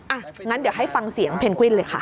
อ่ะงั้นเดี๋ยวให้ฟังเสียงเพนกวินเลยค่ะ